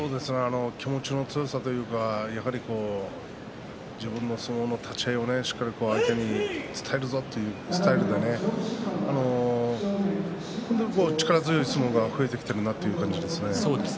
気持ちの強さというか自分の相撲の立ち合いをしっかり相手に伝えるぞというスタイルで本当に力強い相撲が取れてきているなという感じですね。